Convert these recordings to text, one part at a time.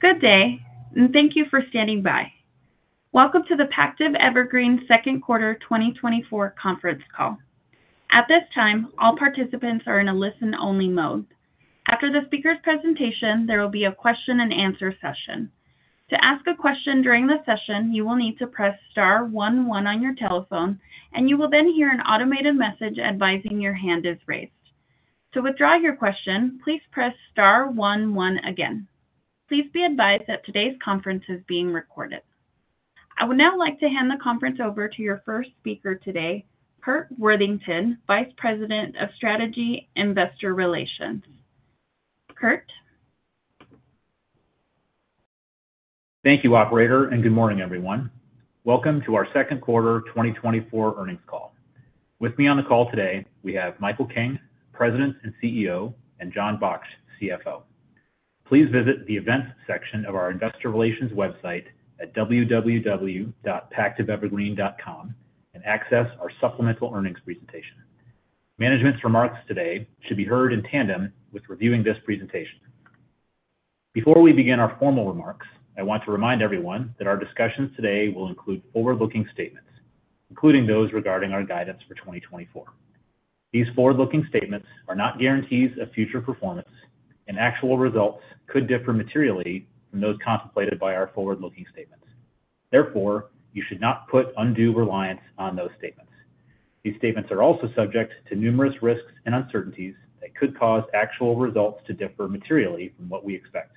Good day, and thank you for standing by. Welcome to the Pactiv Evergreen Second Quarter 2024 conference call. At this time, all participants are in a listen-only mode. After the speaker's presentation, there will be a question-and-answer session. To ask a question during the session, you will need to press star one one on your telephone, and you will then hear an automated message advising your hand is raised. To withdraw your question, please press star one one again. Please be advised that today's conference is being recorded. I would now like to hand the conference over to your first speaker today, Curt Worthington, Vice President of Strategy and Investor Relations. Curt. Thank you, Operator, and good morning, everyone. Welcome to our Second Quarter 2024 earnings call. With me on the call today, we have Michael King, President and CEO, and Jon Baksht, CFO. Please visit the events section of our Investor Relations website at www.pactivevergreen.com and access our supplemental earnings presentation. Management's remarks today should be heard in tandem with reviewing this presentation. Before we begin our formal remarks, I want to remind everyone that our discussions today will include forward-looking statements, including those regarding our guidance for 2024. These forward-looking statements are not guarantees of future performance, and actual results could differ materially from those contemplated by our forward-looking statements. Therefore, you should not put undue reliance on those statements. These statements are also subject to numerous risks and uncertainties that could cause actual results to differ materially from what we expect.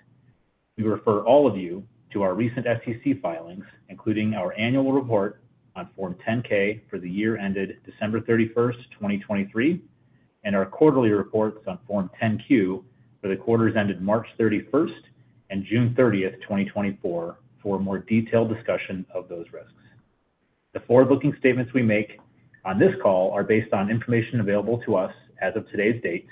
We refer all of you to our recent SEC filings, including our annual report on Form 10-K for the year ended December 31, 2023, and our quarterly reports on Form 10-Q for the quarters ended March 31 and June 30, 2024, for a more detailed discussion of those risks. The forward-looking statements we make on this call are based on information available to us as of today's date,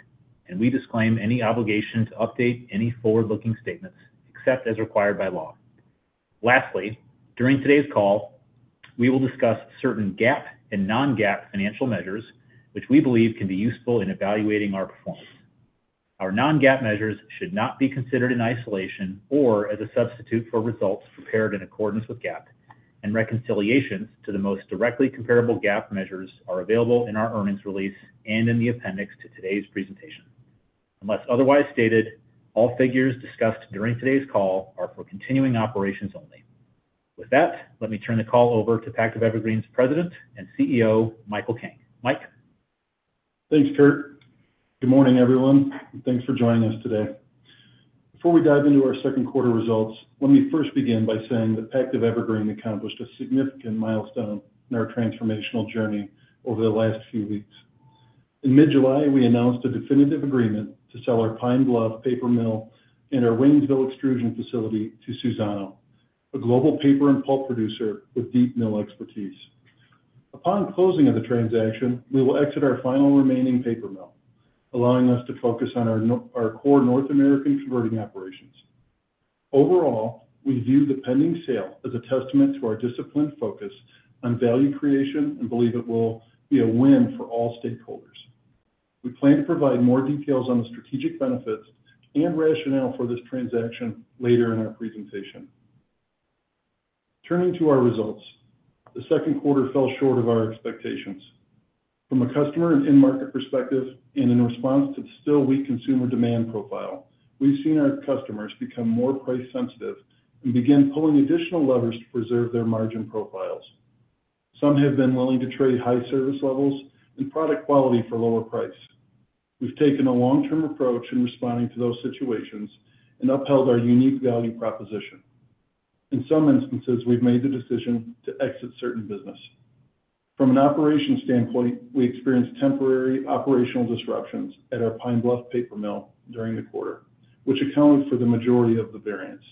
and we disclaim any obligation to update any forward-looking statements except as required by law. Lastly, during today's call, we will discuss certain GAAP and non-GAAP financial measures, which we believe can be useful in evaluating our performance. Our non-GAAP measures should not be considered in isolation or as a substitute for results prepared in accordance with GAAP, and reconciliations to the most directly comparable GAAP measures are available in our earnings release and in the appendix to today's presentation. Unless otherwise stated, all figures discussed during today's call are for continuing operations only. With that, let me turn the call over to Pactiv Evergreen's President and CEO, Michael King. Mike. Thanks, Curt. Good morning, everyone, and thanks for joining us today. Before we dive into our second quarter results, let me first begin by saying that Pactiv Evergreen accomplished a significant milestone in our transformational journey over the last few weeks. In mid-July, we announced a definitive agreement to sell our Pine Bluff Paper Mill and our Waynesville Extrusion Facility to Suzano, a global paper and pulp producer with deep mill expertise. Upon closing of the transaction, we will exit our final remaining paper mill, allowing us to focus on our core North American converting operations. Overall, we view the pending sale as a testament to our disciplined focus on value creation and believe it will be a win for all stakeholders. We plan to provide more details on the strategic benefits and rationale for this transaction later in our presentation. Turning to our results, the second quarter fell short of our expectations. From a customer and in-market perspective and in response to the still weak consumer demand profile, we've seen our customers become more price-sensitive and begin pulling additional levers to preserve their margin profiles. Some have been willing to trade high service levels and product quality for lower price. We've taken a long-term approach in responding to those situations and upheld our unique value proposition. In some instances, we've made the decision to exit certain business. From an operations standpoint, we experienced temporary operational disruptions at our Pine Bluff Paper Mill during the quarter, which accounted for the majority of the variance.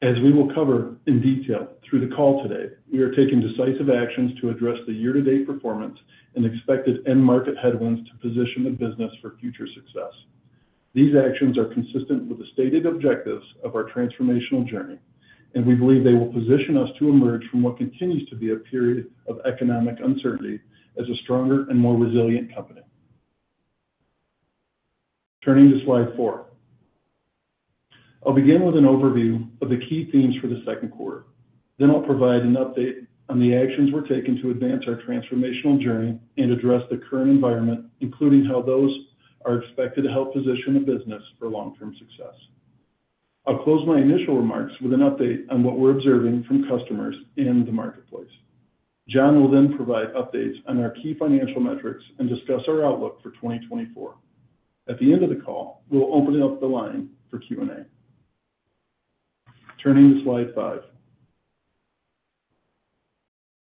As we will cover in detail through the call today, we are taking decisive actions to address the year-to-date performance and expected end-market headwinds to position the business for future success. These actions are consistent with the stated objectives of our transformational journey, and we believe they will position us to emerge from what continues to be a period of economic uncertainty as a stronger and more resilient company. Turning to slide four, I'll begin with an overview of the key themes for the second quarter. Then I'll provide an update on the actions we're taking to advance our transformational journey and address the current environment, including how those are expected to help position the business for long-term success. I'll close my initial remarks with an update on what we're observing from customers and the marketplace. Jon will then provide updates on our key financial metrics and discuss our outlook for 2024. At the end of the call, we'll open up the line for Q&A. Turning to slide 5,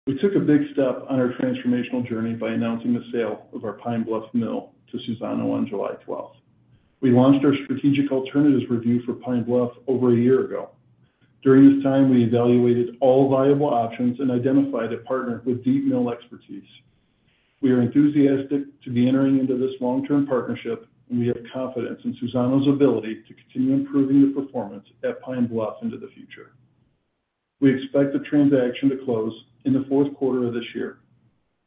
we took a big step on our transformational journey by announcing the sale of our Pine Bluff mill to Suzano on July 12th. We launched our strategic alternatives review for Pine Bluff over a year ago. During this time, we evaluated all viable options and identified a partner with deep mill expertise. We are enthusiastic to be entering into this long-term partnership, and we have confidence in Suzano's ability to continue improving the performance at Pine Bluff into the future. We expect the transaction to close in the fourth quarter of this year.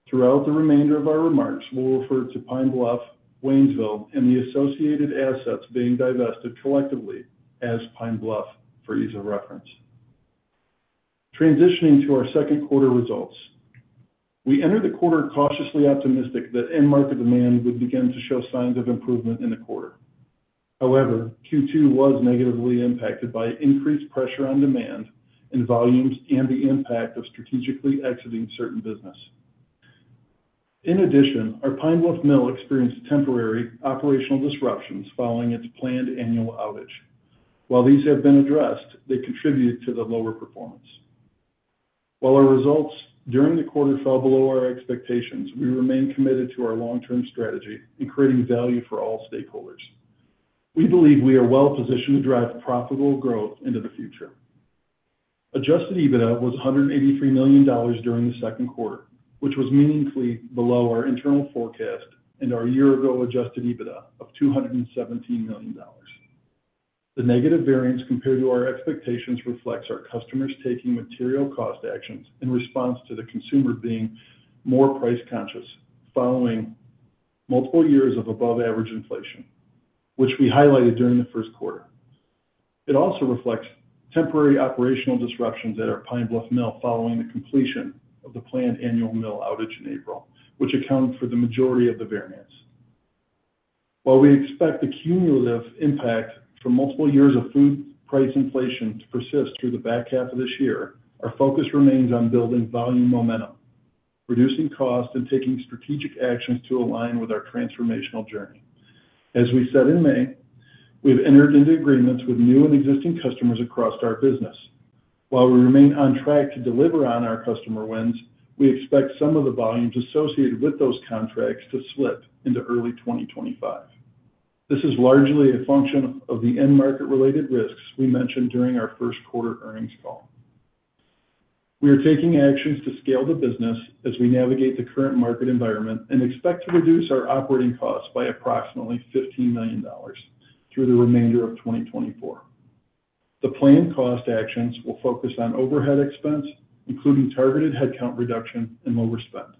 Throughout the remainder of our remarks, we'll refer to Pine Bluff, Waynesville, and the associated assets being divested collectively as Pine Bluff for ease of reference. Transitioning to our second quarter results, we entered the quarter cautiously optimistic that end-market demand would begin to show signs of improvement in the quarter. However, Q2 was negatively impacted by increased pressure on demand and volumes and the impact of strategically exiting certain business. In addition, our Pine Bluff mill experienced temporary operational disruptions following its planned annual outage. While these have been addressed, they contributed to the lower performance. While our results during the quarter fell below our expectations, we remain committed to our long-term strategy and creating value for all stakeholders. We believe we are well-positioned to drive profitable growth into the future. Adjusted EBITDA was $183 million during the second quarter, which was meaningfully below our internal forecast and our year-ago adjusted EBITDA of $217 million. The negative variance compared to our expectations reflects our customers taking material cost actions in response to the consumer being more price-conscious following multiple years of above-average inflation, which we highlighted during the first quarter. It also reflects temporary operational disruptions at our Pine Bluff mill following the completion of the planned annual mill outage in April, which accounted for the majority of the variance. While we expect the cumulative impact from multiple years of food price inflation to persist through the back half of this year, our focus remains on building volume momentum, reducing costs, and taking strategic actions to align with our transformational journey. As we said in May, we have entered into agreements with new and existing customers across our business. While we remain on track to deliver on our customer wins, we expect some of the volumes associated with those contracts to slip into early 2025. This is largely a function of the end-market-related risks we mentioned during our first quarter earnings call. We are taking actions to scale the business as we navigate the current market environment and expect to reduce our operating costs by approximately $15 million through the remainder of 2024. The planned cost actions will focus on overhead expense, including targeted headcount reduction and lower spend.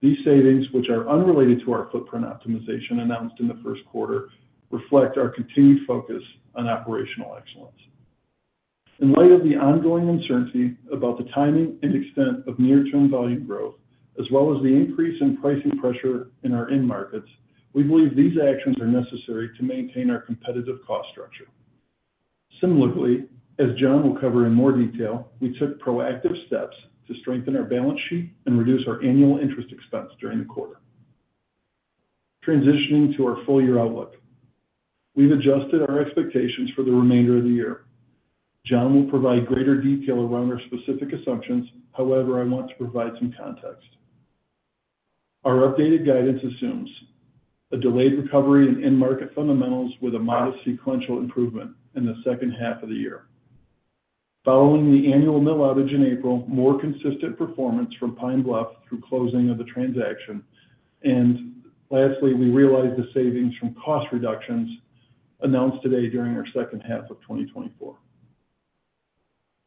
These savings, which are unrelated to our footprint optimization announced in the first quarter, reflect our continued focus on operational excellence. In light of the ongoing uncertainty about the timing and extent of near-term volume growth, as well as the increase in pricing pressure in our end markets, we believe these actions are necessary to maintain our competitive cost structure. Similarly, as John will cover in more detail, we took proactive steps to strengthen our balance sheet and reduce our annual interest expense during the quarter. Transitioning to our full-year outlook, we've adjusted our expectations for the remainder of the year. John will provide greater detail around our specific assumptions. However, I want to provide some context. Our updated guidance assumes a delayed recovery in end-market fundamentals with a modest sequential improvement in the second half of the year. Following the annual mill outage in April, more consistent performance from Pine Bluff through closing of the transaction, and lastly, we realized the savings from cost reductions announced today during our second half of 2024.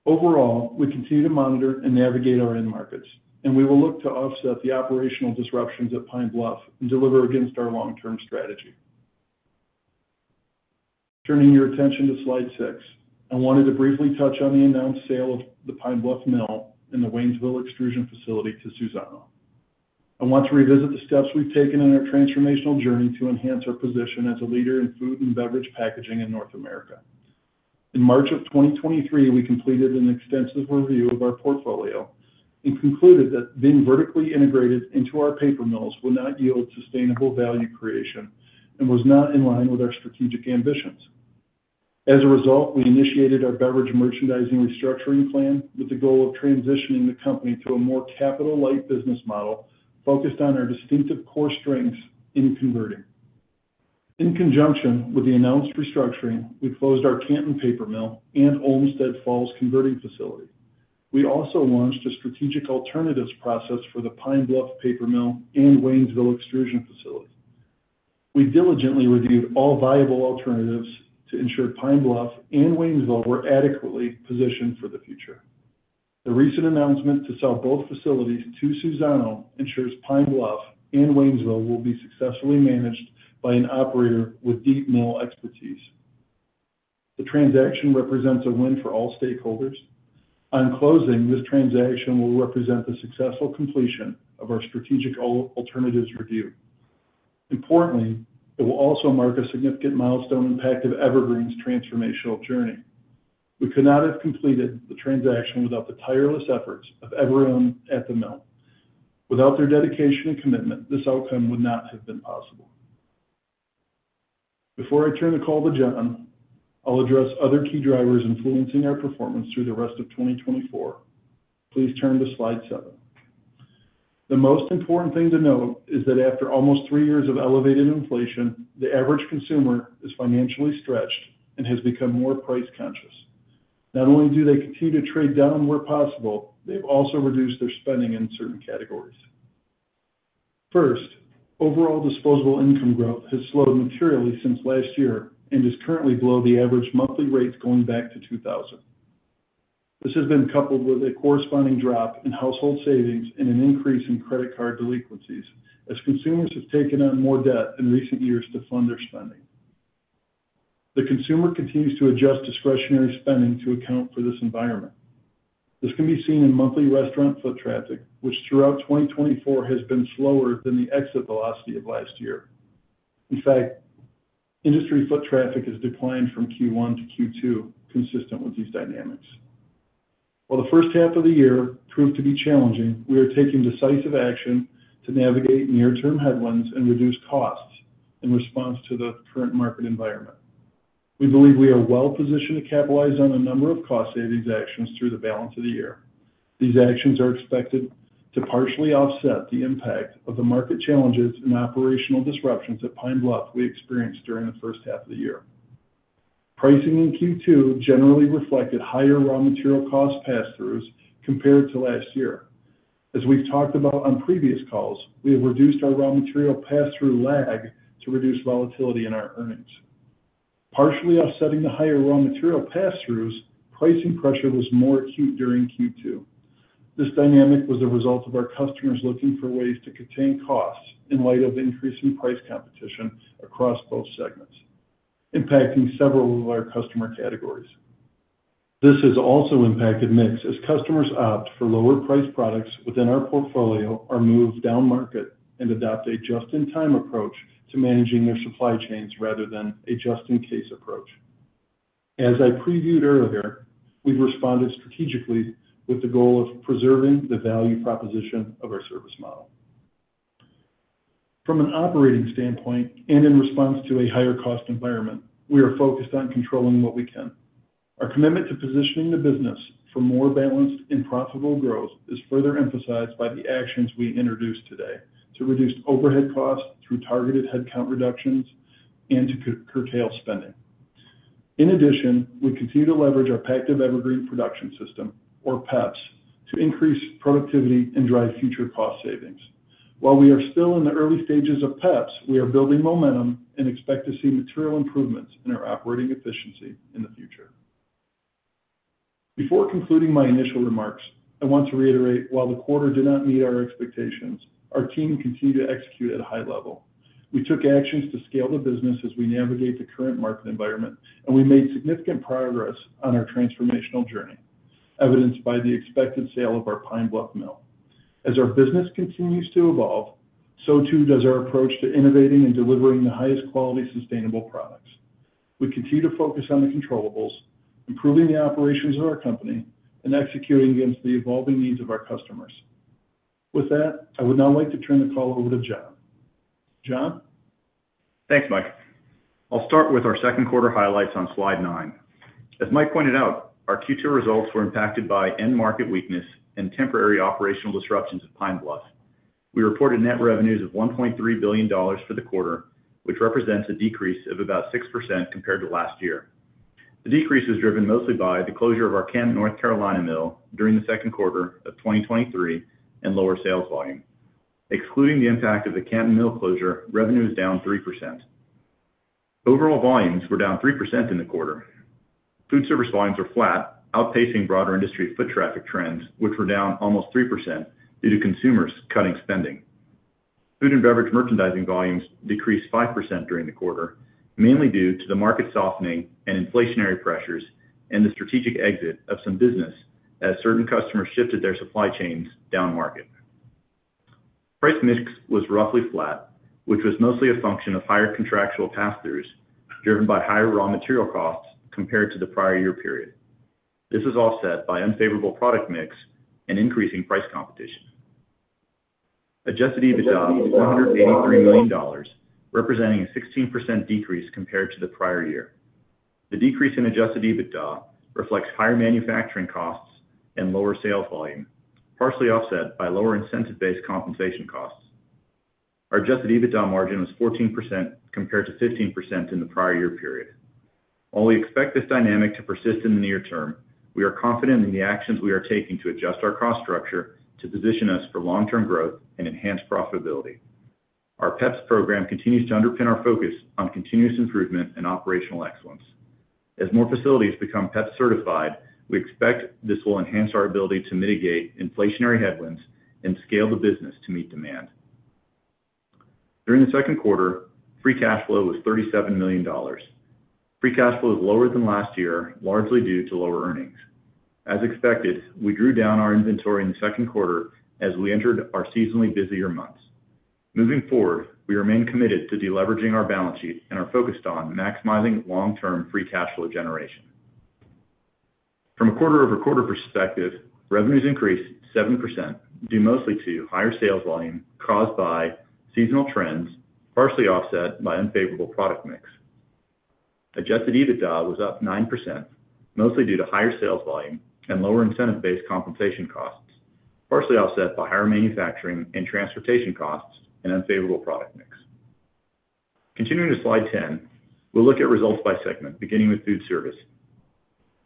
Overall, we continue to monitor and navigate our end markets, and we will look to offset the operational disruptions at Pine Bluff and deliver against our long-term strategy. Turning your attention to slide six, I wanted to briefly touch on the announced sale of the Pine Bluff mill and the Waynesville extrusion facility to Suzano. I want to revisit the steps we've taken in our transformational journey to enhance our position as a leader in food and beverage packaging in North America. In March of 2023, we completed an extensive review of our portfolio and concluded that being vertically integrated into our paper mills would not yield sustainable value creation and was not in line with our strategic ambitions. As a result, we initiated our Beverage Merchandising Restructuring Plan with the goal of transitioning the company to a more capital-light business model focused on our distinctive core strengths in converting. In conjunction with the announced restructuring, we closed our Canton Paper Mill and Olmsted Falls Converting Facility. We also launched a strategic alternatives process for the Pine Bluff Paper Mill and Waynesville Extrusion Facility. We diligently reviewed all viable alternatives to ensure Pine Bluff and Waynesville were adequately positioned for the future. The recent announcement to sell both facilities to Suzano ensures Pine Bluff and Waynesville will be successfully managed by an operator with deep mill expertise. The transaction represents a win for all stakeholders. On closing, this transaction will represent the successful completion of our strategic alternatives review. Importantly, it will also mark a significant milestone impact of Evergreen's transformational journey. We could not have completed the transaction without the tireless efforts of everyone at the mill. Without their dedication and commitment, this outcome would not have been possible. Before I turn the call to Jon, I'll address other key drivers influencing our performance through the rest of 2024. Please turn to slide 7. The most important thing to note is that after almost 3 years of elevated inflation, the average consumer is financially stretched and has become more price-conscious. Not only do they continue to trade down where possible, they've also reduced their spending in certain categories. First, overall disposable income growth has slowed materially since last year and is currently below the average monthly rate going back to 2000. This has been coupled with a corresponding drop in household savings and an increase in credit card delinquencies as consumers have taken on more debt in recent years to fund their spending. The consumer continues to adjust discretionary spending to account for this environment. This can be seen in monthly restaurant foot traffic, which throughout 2024 has been slower than the exit velocity of last year. In fact, industry foot traffic has declined from Q1 to Q2, consistent with these dynamics. While the first half of the year proved to be challenging, we are taking decisive action to navigate near-term headwinds and reduce costs in response to the current market environment. We believe we are well-positioned to capitalize on a number of cost-savings actions through the balance of the year. These actions are expected to partially offset the impact of the market challenges and operational disruptions at Pine Bluff we experienced during the first half of the year. Pricing in Q2 generally reflected higher raw material cost pass-throughs compared to last year. As we've talked about on previous calls, we have reduced our raw material pass-through lag to reduce volatility in our earnings. Partially offsetting the higher raw material pass-throughs, pricing pressure was more acute during Q2. This dynamic was the result of our customers looking for ways to contain costs in light of increasing price competition across both segments, impacting several of our customer categories. This has also impacted mix as customers opt for lower-priced products within our portfolio or move down-market and adopt a just-in-time approach to managing their supply chains rather than a just-in-case approach. As I previewed earlier, we've responded strategically with the goal of preserving the value proposition of our service model. From an operating standpoint and in response to a higher-cost environment, we are focused on controlling what we can. Our commitment to positioning the business for more balanced and profitable growth is further emphasized by the actions we introduced today to reduce overhead costs through targeted headcount reductions and to curtail spending. In addition, we continue to leverage our Pactiv Evergreen Production System, or PEPS, to increase productivity and drive future cost savings. While we are still in the early stages of PEPS, we are building momentum and expect to see material improvements in our operating efficiency in the future. Before concluding my initial remarks, I want to reiterate while the quarter did not meet our expectations, our team continued to execute at a high level. We took actions to scale the business as we navigate the current market environment, and we made significant progress on our transformational journey, evidenced by the expected sale of our Pine Bluff mill. As our business continues to evolve, so too does our approach to innovating and delivering the highest-quality sustainable products. We continue to focus on the controllable, improving the operations of our company, and executing against the evolving needs of our customers. With that, I would now like to turn the call over to John. John? Thanks, Mike. I'll start with our second quarter highlights on slide nine. As Mike pointed out, our Q2 results were impacted by end-market weakness and temporary operational disruptions at Pine Bluff. We reported net revenues of $1.3 billion for the quarter, which represents a decrease of about 6% compared to last year. The decrease was driven mostly by the closure of our Canton, North Carolina mill during the second quarter of 2023 and lower sales volume. Excluding the impact of the Canton mill closure, revenue is down 3%. Overall volumes were down 3% in the quarter. Food service volumes were flat, outpacing broader industry foot traffic trends, which were down almost 3% due to consumers cutting spending. Food and Beverage Merchandising volumes decreased 5% during the quarter, mainly due to the market softening and inflationary pressures and the strategic exit of some business as certain customers shifted their supply chains down-market. Price mix was roughly flat, which was mostly a function of higher contractual pass-throughs driven by higher raw material costs compared to the prior year period. This is offset by unfavorable product mix and increasing price competition. Adjusted EBITDA is $183 million, representing a 16% decrease compared to the prior year. The decrease in adjusted EBITDA reflects higher manufacturing costs and lower sales volume, partially offset by lower incentive-based compensation costs. Our adjusted EBITDA margin was 14% compared to 15% in the prior year period. While we expect this dynamic to persist in the near term, we are confident in the actions we are taking to adjust our cost structure to position us for long-term growth and enhanced profitability. Our PEPS program continues to underpin our focus on continuous improvement and operational excellence. As more facilities become PEPS-certified, we expect this will enhance our ability to mitigate inflationary headwinds and scale the business to meet demand. During the second quarter, free cash flow was $37 million. Free cash flow is lower than last year, largely due to lower earnings. As expected, we drew down our inventory in the second quarter as we entered our seasonally busier months. Moving forward, we remain committed to deleveraging our balance sheet and are focused on maximizing long-term free cash flow generation. From a quarter-over-quarter perspective, revenues increased 7% due mostly to higher sales volume caused by seasonal trends, partially offset by unfavorable product mix. Adjusted EBITDA was up 9%, mostly due to higher sales volume and lower incentive-based compensation costs, partially offset by higher manufacturing and transportation costs and unfavorable product mix. Continuing to Slide 10, we'll look at results by segment, beginning with Foodservice.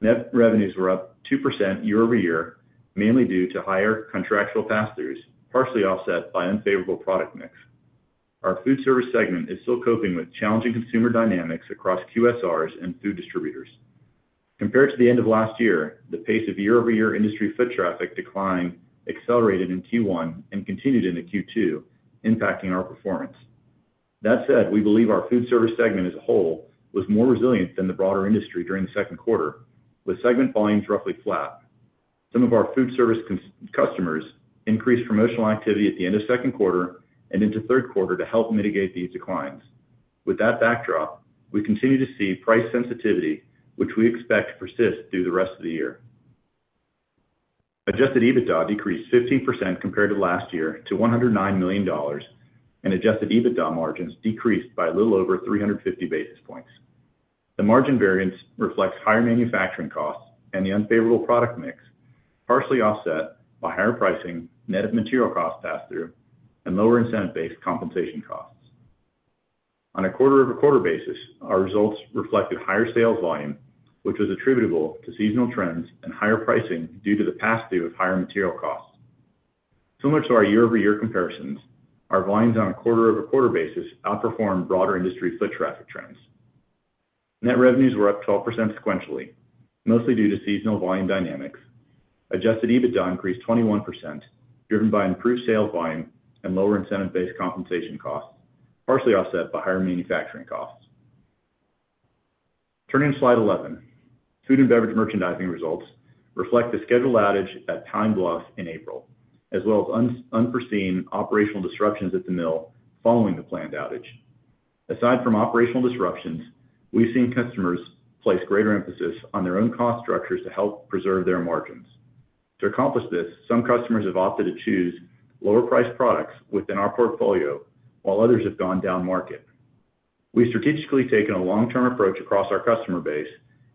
Net revenues were up 2% year-over-year, mainly due to higher contractual pass-throughs, partially offset by unfavorable product mix. Our Foodservice segment is still coping with challenging consumer dynamics across QSRs and food distributors. Compared to the end of last year, the pace of year-over-year industry foot traffic declined accelerated in Q1 and continued into Q2, impacting our performance. That said, we believe our food service segment as a whole was more resilient than the broader industry during the second quarter, with segment volumes roughly flat. Some of our food service customers increased promotional activity at the end of second quarter and into third quarter to help mitigate these declines. With that backdrop, we continue to see price sensitivity, which we expect to persist through the rest of the year. Adjusted EBITDA decreased 15% compared to last year to $109 million, and adjusted EBITDA margins decreased by a little over 350 basis points. The margin variance reflects higher manufacturing costs and the unfavorable product mix, partially offset by higher pricing, net material cost pass-through, and lower incentive-based compensation costs. On a quarter-over-quarter basis, our results reflected higher sales volume, which was attributable to seasonal trends and higher pricing due to the pass-through of higher material costs. Similar to our year-over-year comparisons, our volumes on a quarter-over-quarter basis outperformed broader industry foot traffic trends. Net revenues were up 12% sequentially, mostly due to seasonal volume dynamics. Adjusted EBITDA increased 21%, driven by improved sales volume and lower incentive-based compensation costs, partially offset by higher manufacturing costs. Turning to slide 11, food and beverage merchandising results reflect the scheduled outage at Pine Bluff in April, as well as unforeseen operational disruptions at the mill following the planned outage. Aside from operational disruptions, we've seen customers place greater emphasis on their own cost structures to help preserve their margins. To accomplish this, some customers have opted to choose lower-priced products within our portfolio, while others have gone down-market. We've strategically taken a long-term approach across our customer base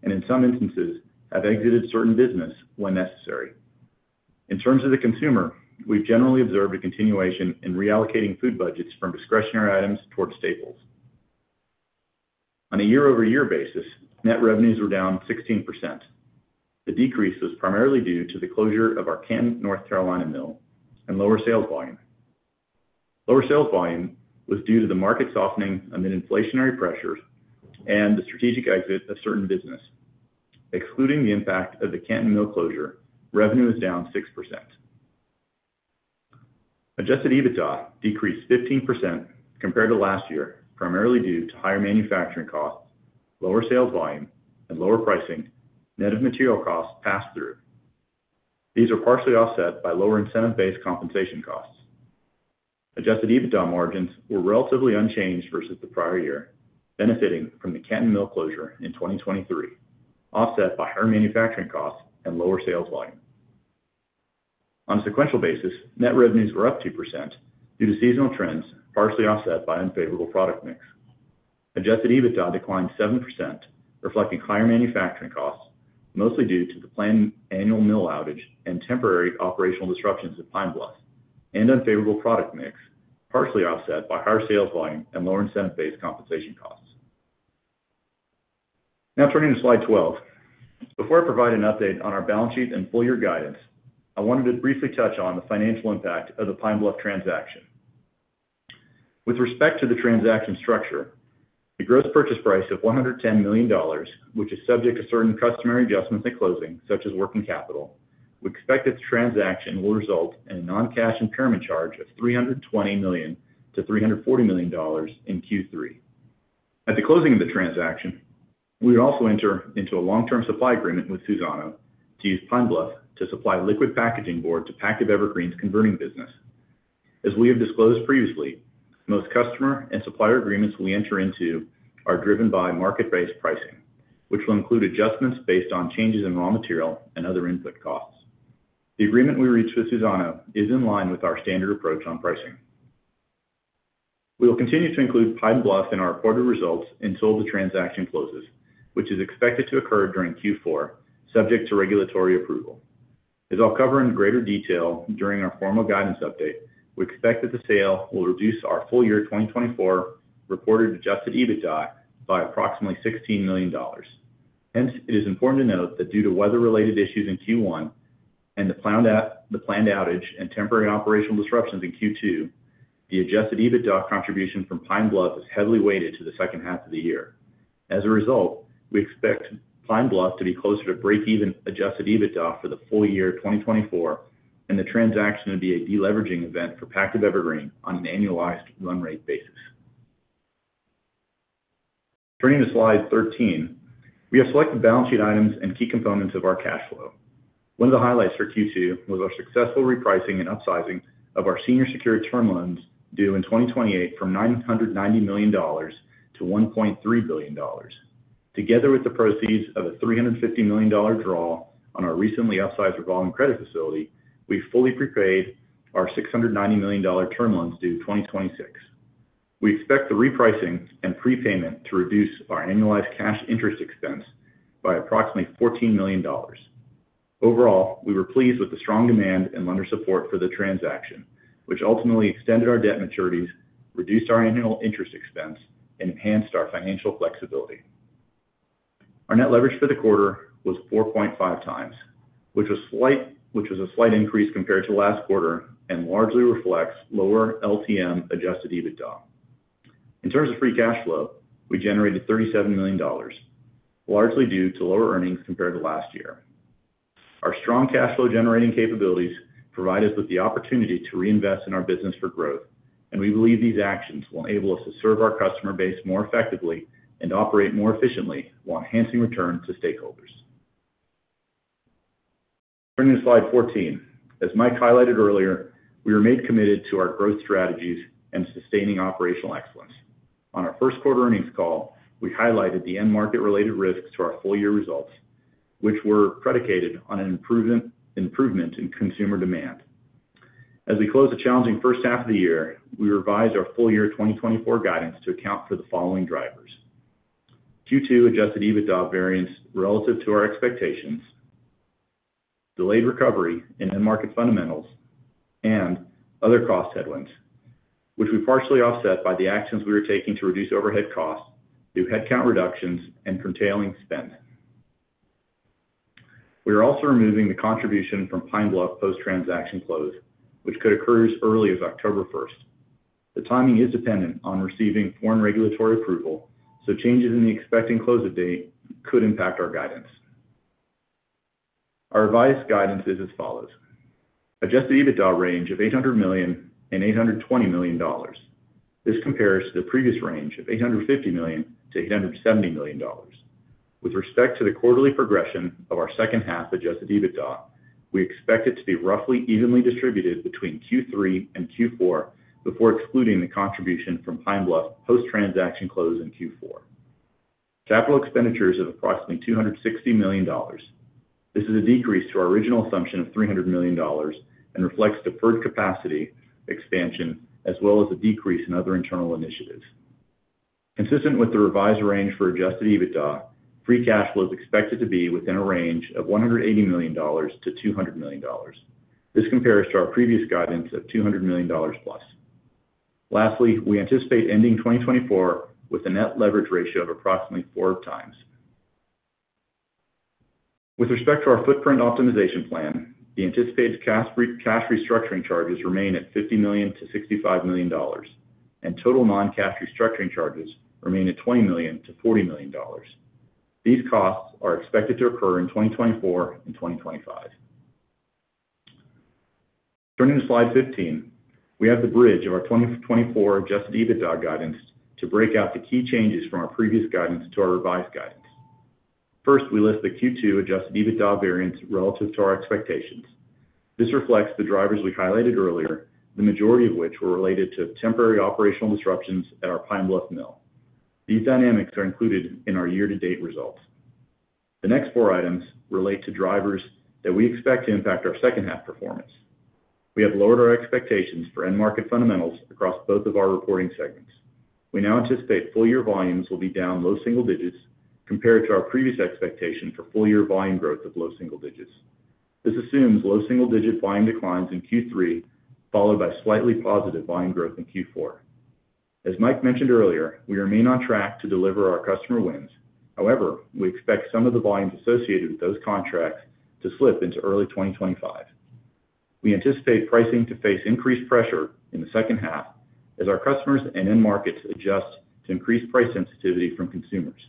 and, in some instances, have exited certain business when necessary. In terms of the consumer, we've generally observed a continuation in reallocating food budgets from discretionary items towards staples. On a year-over-year basis, net revenues were down 16%. The decrease was primarily due to the closure of our Canton, North Carolina mill and lower sales volume. Lower sales volume was due to the market softening amid inflationary pressures and the strategic exit of certain business. Excluding the impact of the Canton mill closure, revenue is down 6%. Adjusted EBITDA decreased 15% compared to last year, primarily due to higher manufacturing costs, lower sales volume, and lower pricing, net of material cost pass-through. These are partially offset by lower incentive-based compensation costs. Adjusted EBITDA margins were relatively unchanged versus the prior year, benefiting from the Canton mill closure in 2023, offset by higher manufacturing costs and lower sales volume. On a sequential basis, net revenues were up 2% due to seasonal trends, partially offset by unfavorable product mix. Adjusted EBITDA declined 7%, reflecting higher manufacturing costs, mostly due to the planned annual mill outage and temporary operational disruptions at Pine Bluff, and unfavorable product mix, partially offset by higher sales volume and lower incentive-based compensation costs. Now, turning to slide 12, before I provide an update on our balance sheet and full-year guidance, I wanted to briefly touch on the financial impact of the Pine Bluff transaction. With respect to the transaction structure, a gross purchase price of $110 million, which is subject to certain customary adjustments at closing, such as working capital, we expect that the transaction will result in a non-cash impairment charge of $320 million–$340 million in Q3. At the closing of the transaction, we would also enter into a long-term supply agreement with Suzano to use Pine Bluff to supply liquid packaging board to Pactiv Evergreen's converting business. As we have disclosed previously, most customer and supplier agreements we enter into are driven by market-based pricing, which will include adjustments based on changes in raw material and other input costs. The agreement we reached with Suzano is in line with our standard approach on pricing. We will continue to include Pine Bluff in our quarter results until the transaction closes, which is expected to occur during Q4, subject to regulatory approval. As I'll cover in greater detail during our formal guidance update, we expect that the sale will reduce our full-year 2024 reported adjusted EBITDA by approximately $16 million. Hence, it is important to note that due to weather-related issues in Q1 and the planned outage and temporary operational disruptions in Q2, the adjusted EBITDA contribution from Pine Bluff is heavily weighted to the second half of the year. As a result, we expect Pine Bluff to be closer to break-even adjusted EBITDA for the full year 2024, and the transaction would be a deleveraging event for Pactiv Evergreen on an annualized run rate basis. Turning to slide 13, we have selected balance sheet items and key components of our cash flow. One of the highlights for Q2 was our successful repricing and upsizing of our senior secured term loans due in 2028 from $990 million–$1.3 billion. Together with the proceeds of a $350 million draw on our recently upsized revolving credit facility, we fully prepaid our $690 million term loans due 2026. We expect the repricing and prepayment to reduce our annualized cash interest expense by approximately $14 million. Overall, we were pleased with the strong demand and lender support for the transaction, which ultimately extended our debt maturities, reduced our annual interest expense, and enhanced our financial flexibility. Our net leverage for the quarter was 4.5 times, which was a slight increase compared to last quarter and largely reflects lower LTM adjusted EBITDA. In terms of free cash flow, we generated $37 million, largely due to lower earnings compared to last year. Our strong cash flow generating capabilities provide us with the opportunity to reinvest in our business for growth, and we believe these actions will enable us to serve our customer base more effectively and operate more efficiently while enhancing returns to stakeholders. Turning to slide 14, as Mike highlighted earlier, we remained committed to our growth strategies and sustaining operational excellence. On our first quarter earnings call, we highlighted the end-market-related risks to our full-year results, which were predicated on an improvement in consumer demand. As we close the challenging first half of the year, we revised our full-year 2024 guidance to account for the following drivers: Q2 Adjusted EBITDA variance relative to our expectations, delayed recovery in end-market fundamentals, and other cost headwinds, which we partially offset by the actions we were taking to reduce overhead costs through headcount reductions and curtailing spend. We are also removing the contribution from Pine Bluff post-transaction close, which could occur as early as October 1st. The timing is dependent on receiving foreign regulatory approval, so changes in the expected close date could impact our guidance. Our revised guidance is as follows: Adjusted EBITDA range of $800 million–$820 million. This compares to the previous range of $850 million–$870 million. With respect to the quarterly progression of our second half Adjusted EBITDA, we expect it to be roughly evenly distributed between Q3 and Q4 before excluding the contribution from Pine Bluff post-transaction close in Q4. Capital expenditures of approximately $260 million. This is a decrease to our original assumption of $300 million and reflects deferred capacity expansion, as well as a decrease in other internal initiatives. Consistent with the revised range for Adjusted EBITDA, free cash flow is expected to be within a range of $180 million–$200 million. This compares to our previous guidance of $200 million+. Lastly, we anticipate ending 2024 with a net leverage ratio of approximately 4x. With respect to our footprint optimization plan, the anticipated cash restructuring charges remain at $50 million–$65 million, and total non-cash restructuring charges remain at $20 million–$40 million. These costs are expected to occur in 2024 and 2025. Turning to slide 15, we have the bridge of our 2024 Adjusted EBITDA guidance to break out the key changes from our previous guidance to our revised guidance. First, we list the Q2 Adjusted EBITDA variance relative to our expectations. This reflects the drivers we highlighted earlier, the majority of which were related to temporary operational disruptions at our Pine Bluff mill. These dynamics are included in our year-to-date results. The next four items relate to drivers that we expect to impact our second half performance. We have lowered our expectations for end-market fundamentals across both of our reporting segments. We now anticipate full-year volumes will be down low single digits compared to our previous expectation for full-year volume growth of low single digits. This assumes low single digit volume declines in Q3, followed by slightly positive volume growth in Q4. As Mike mentioned earlier, we remain on track to deliver our customer wins. However, we expect some of the volumes associated with those contracts to slip into early 2025. We anticipate pricing to face increased pressure in the second half as our customers and end markets adjust to increased price sensitivity from consumers.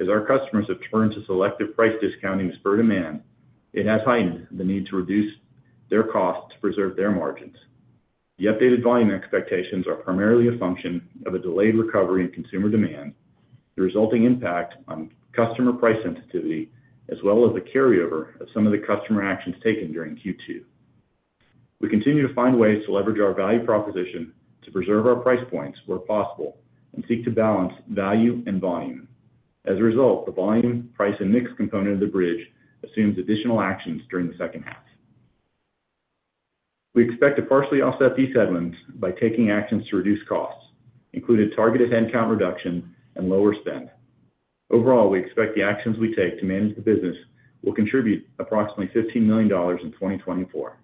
As our customers have turned to selective price discounting to spur demand, it has heightened the need to reduce their costs to preserve their margins. The updated volume expectations are primarily a function of a delayed recovery in consumer demand, the resulting impact on customer price sensitivity, as well as the carryover of some of the customer actions taken during Q2. We continue to find ways to leverage our value proposition to preserve our price points where possible and seek to balance value and volume. As a result, the volume, price, and mix component of the bridge assumes additional actions during the second half. We expect to partially offset these headwinds by taking actions to reduce costs, including targeted headcount reduction and lower spend. Overall, we expect the actions we take to manage the business will contribute approximately $15 million in 2024.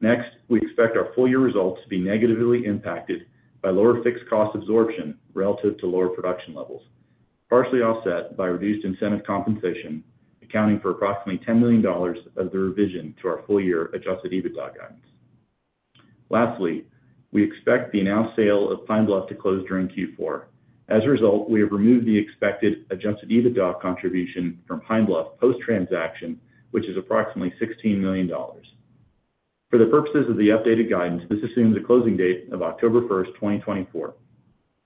Next, we expect our full-year results to be negatively impacted by lower fixed cost absorption relative to lower production levels, partially offset by reduced incentive compensation, accounting for approximately $10 million of the revision to our full-year adjusted EBITDA guidance. Lastly, we expect the announced sale of Pine Bluff to close during Q4. As a result, we have removed the expected adjusted EBITDA contribution from Pine Bluff post-transaction, which is approximately $16 million. For the purposes of the updated guidance, this assumes a closing date of October 1st, 2024.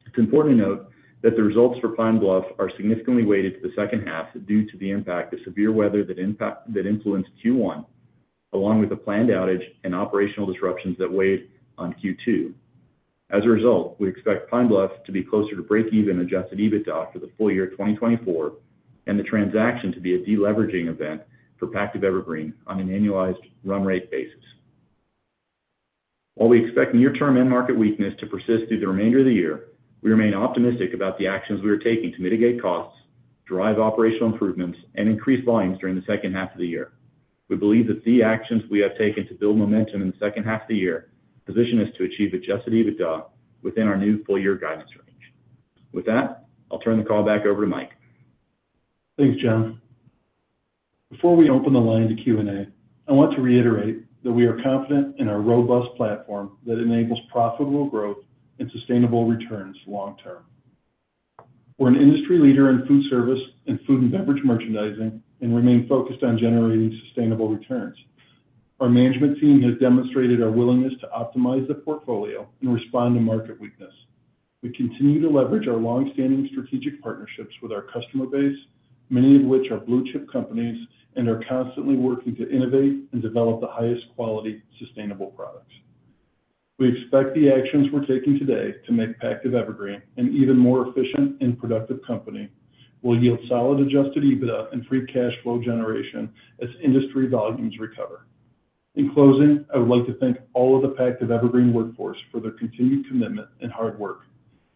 It's important to note that the results for Pine Bluff are significantly weighted to the second half due to the impact of severe weather that influenced Q1, along with the planned outage and operational disruptions that weighed on Q2. As a result, we expect Pine Bluff to be closer to break-even adjusted EBITDA for the full year 2024 and the transaction to be a deleveraging event for Pactiv Evergreen on an annualized run rate basis. While we expect near-term end-market weakness to persist through the remainder of the year, we remain optimistic about the actions we are taking to mitigate costs, drive operational improvements, and increase volumes during the second half of the year. We believe that the actions we have taken to build momentum in the second half of the year position us to achieve adjusted EBITDA within our new full-year guidance range. With that, I'll turn the call back over to Mike. Thanks, John. Before we open the line to Q&A, I want to reiterate that we are confident in our robust platform that enables profitable growth and sustainable returns long-term. We're an industry leader in food service and food and beverage merchandising and remain focused on generating sustainable returns. Our management team has demonstrated our willingness to optimize the portfolio and respond to market weakness. We continue to leverage our long-standing strategic partnerships with our customer base, many of which are blue-chip companies, and are constantly working to innovate and develop the highest quality sustainable products. We expect the actions we're taking today to make Pactiv Evergreen an even more efficient and productive company. We'll yield solid Adjusted EBITDA and Free cash flow generation as industry volumes recover. In closing, I would like to thank all of the Pactiv Evergreen workforce for their continued commitment and hard work.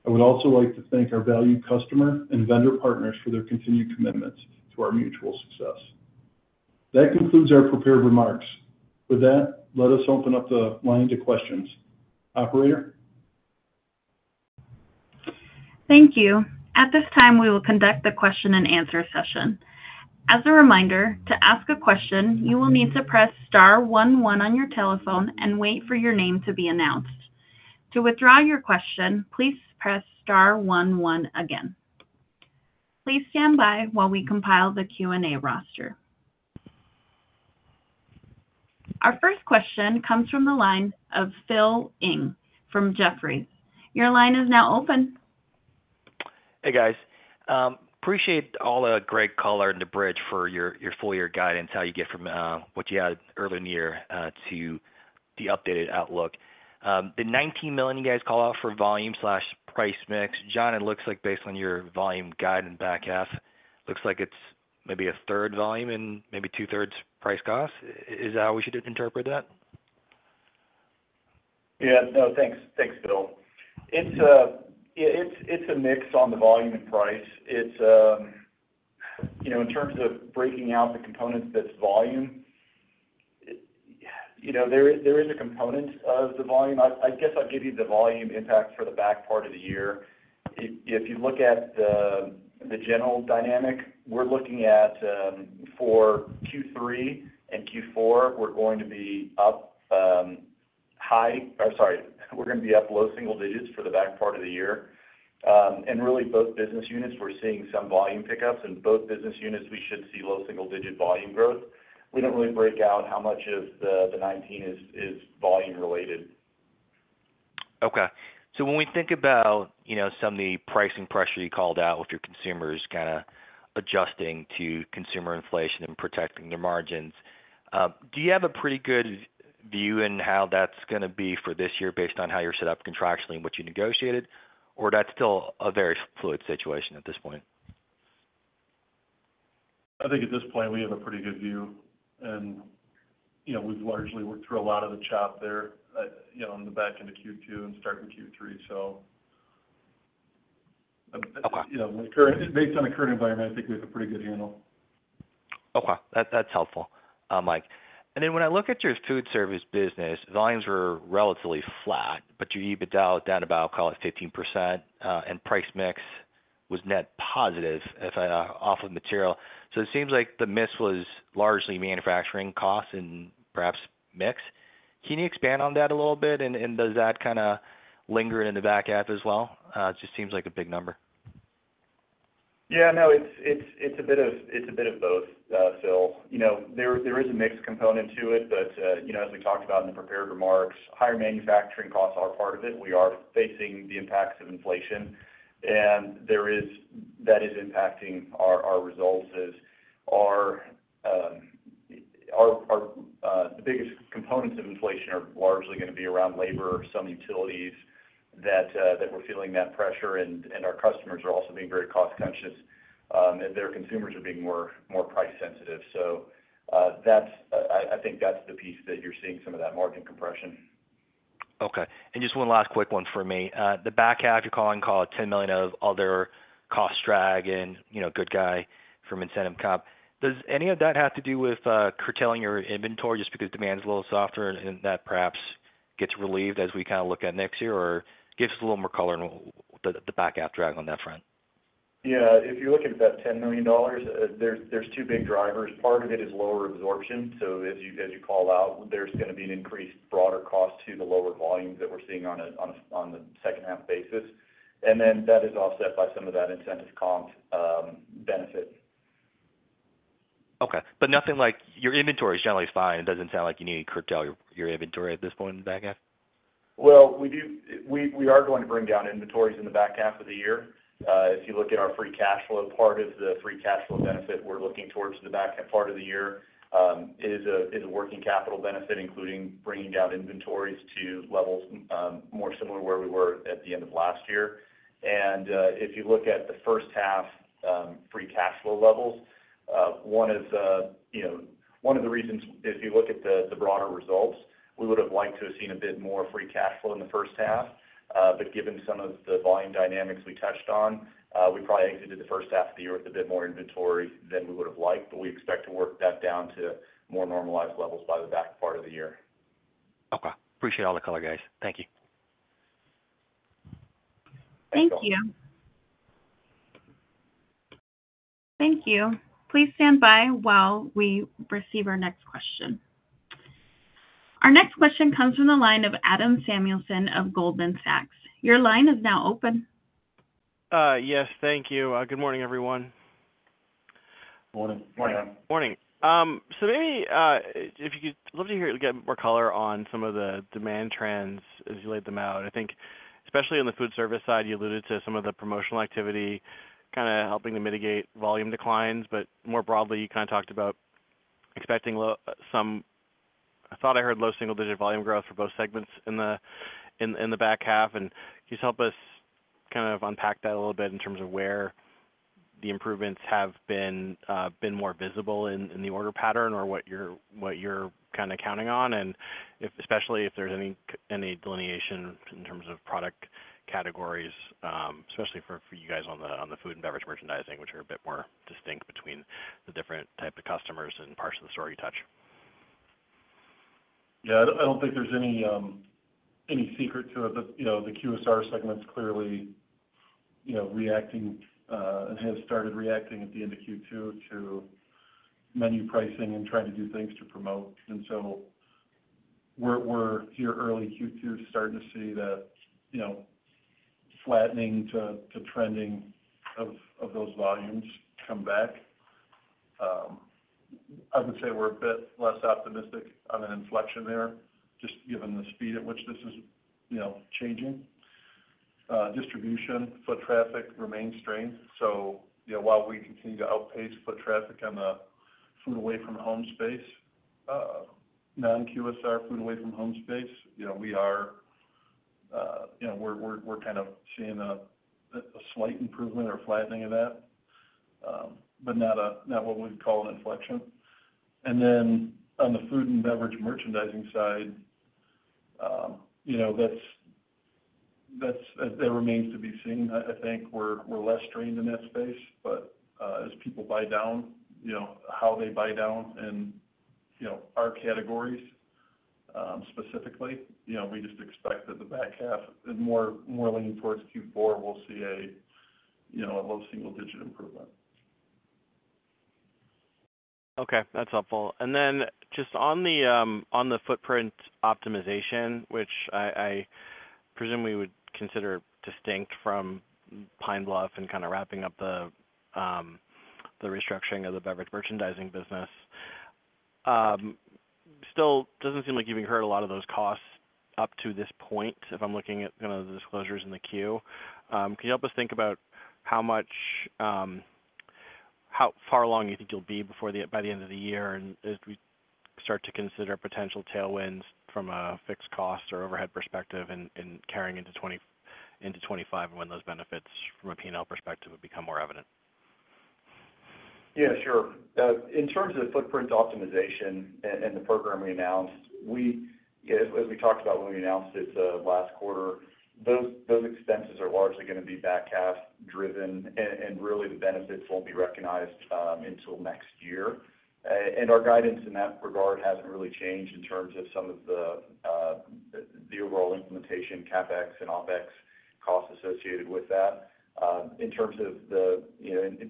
I would also like to thank our valued customer and vendor partners for their continued commitments to our mutual success. That concludes our prepared remarks. With that, let us open up the line to questions. Operator? Thank you. At this time, we will conduct the question-and-answer session. As a reminder, to ask a question, you will need to press star one one on your telephone and wait for your name to be announced. To withdraw your question, please press star one one again. Please stand by while we compile the Q&A roster. Our first question comes from the line of Phil Ng from Jefferies. Your line is now open. Hey, guys. Appreciate all the great color in the bridge for your full-year guidance, how you get from what you had earlier in the year to the updated outlook. The $19 million you guys call out for volume/price mix, Jon, it looks like based on your volume guide in the back half, looks like it's maybe a third volume and maybe two-thirds price cost. Is that how we should interpret that? Yeah. No, thanks. Thanks, Phil. It's a mix on the volume and price. In terms of breaking out the components, that's volume. There is a component of the volume. I guess I'll give you the volume impact for the back part of the year. If you look at the general dynamic, we're looking at for Q3 and Q4, we're going to be up high or sorry, we're going to be up low single digits for the back part of the year. And really, both business units, we're seeing some volume pickups, and both business units, we should see low single-digit volume growth. We don't really break out how much of the $19 million is volume-related. Okay. So when we think about some of the pricing pressure you called out with your consumers kind of adjusting to consumer inflation and protecting their margins, do you have a pretty good view in how that's going to be for this year based on how you're set up contractually and what you negotiated, or that's still a very fluid situation at this point? I think at this point, we have a pretty good view, and we've largely worked through a lot of the chop there in the back end of Q2 and starting Q3. So based on the current environment, I think we have a pretty good handle. Okay. That's helpful, Mike. And then when I look at your food service business, volumes were relatively flat, but your EBITDA was down about, call it, 15%, and price mix was net positive, if off of material. So it seems like the miss was largely manufacturing costs and perhaps mix. Can you expand on that a little bit, and does that kind of linger in the back half as well? It just seems like a big number. Yeah. No, it's a bit of both, Phil. There is a mixed component to it, but as we talked about in the prepared remarks, higher manufacturing costs are part of it. We are facing the impacts of inflation, and that is impacting our results as the biggest components of inflation are largely going to be around labor, some utilities that we're feeling that pressure, and our customers are also being very cost-conscious as their consumers are being more price sensitive. So I think that's the piece that you're seeing some of that margin compression. Okay. And just one last quick one for me. The back half, you're calling it $10 million of other cost drag and good from incentive comp. Does any of that have to do with curtailing your inventory just because demand's a little softer and that perhaps gets relieved as we kind of look at next year or gives us a little more color in the back half drag on that front? Yeah. If you're looking at that $10 million, there's two big drivers. Part of it is lower absorption. So as you call out, there's going to be an increased broader cost to the lower volumes that we're seeing on a second-half basis. And then that is offset by some of that incentive comp benefit. Okay. But nothing like your inventory is generally fine. It doesn't sound like you need to curtail your inventory at this point in the back half? Well, we are going to bring down inventories in the back half of the year. If you look at our free cash flow, part of the free cash flow benefit we're looking towards in the back part of the year is a working capital benefit, including bringing down inventories to levels more similar to where we were at the end of last year. If you look at the first half free cash flow levels, one of the reasons, if you look at the broader results, we would have liked to have seen a bit more free cash flow in the first half. Given some of the volume dynamics we touched on, we probably exited the first half of the year with a bit more inventory than we would have liked, but we expect to work that down to more normalized levels by the back part of the year. Okay. Appreciate all the color, guys. Thank you. Thank you. Thank you. Please stand by while we receive our next question. Our next question comes from the line of Adam Samuelson of Goldman Sachs. Your line is now open. Yes. Thank you. Good morning, everyone. Morning. Morning. Morning. So maybe I'd love to hear more color on some of the demand trends as you laid them out. I think especially on the food service side, you alluded to some of the promotional activity kind of helping to mitigate volume declines. But more broadly, you kind of talked about expecting some. I thought I heard low single-digit volume growth for both segments in the back half. Just help us kind of unpack that a little bit in terms of where the improvements have been more visible in the order pattern or what you're kind of counting on, especially if there's any delineation in terms of product categories, especially for you guys on the food and beverage merchandising, which are a bit more distinct between the different types of customers and parts of the store you touch. Yeah. I don't think there's any secret to it. The QSR segment's clearly reacting and has started reacting at the end of Q2 to menu pricing and trying to do things to promote. And so we're here early Q2 starting to see that flattening to trending of those volumes come back. I would say we're a bit less optimistic on an inflection there just given the speed at which this is changing. Distribution foot traffic remains strength. So while we continue to outpace foot traffic on the food away from home space, non-QSR food away from home space, we're kind of seeing a slight improvement or flattening of that, but not what we'd call an inflection. And then on the food and beverage merchandising side, that remains to be seen. I think we're less strained in that space, but as people buy down, how they buy down in our categories specifically, we just expect that the back half and more leaning towards Q4, we'll see a low single-digit improvement. Okay. That's helpful. Then just on the footprint optimization, which I presume we would consider distinct from Pine Bluff and kind of wrapping up the restructuring of the beverage merchandising business, still doesn't seem like you've incurred a lot of those costs up to this point, if I'm looking at kind of the disclosures in the Q. Can you help us think about how far along you think you'll be by the end of the year as we start to consider potential tailwinds from a fixed cost or overhead perspective and carrying into 2025 and when those benefits from a P&L perspective would become more evident? Yeah. Sure. In terms of footprint optimization and the program we announced, as we talked about when we announced it last quarter, those expenses are largely going to be back half driven, and really the benefits won't be recognized until next year. Our guidance in that regard hasn't really changed in terms of some of the overall implementation, CapEx and OpEx costs associated with that. In terms of the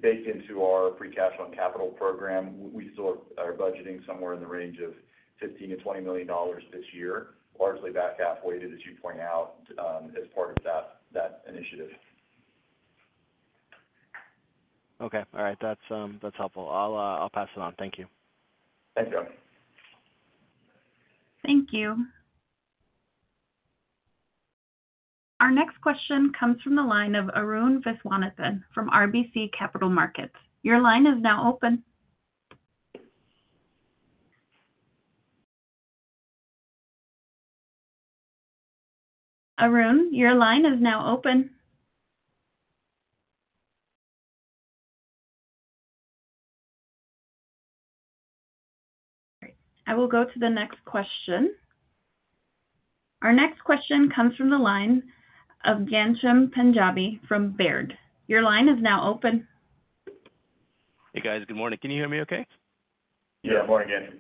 baked into our free cash on capital program, we still are budgeting somewhere in the range of $15–$20 million this year, largely back half weighted, as you point out, as part of that initiative. Okay. All right. That's helpful. I'll pass it on. Thank you. Thank you. Thank you. Our next question comes from the line of Arun Viswanathan from RBC Capital Markets. Your line is now open. Arun, your line is now open. All right. I will go to the next question. Our next question comes from the line of Ghansham Panjabi from Baird. Your line is now open. Hey, guys. Good morning. Can you hear me okay? Yeah. Morning, Ghansham.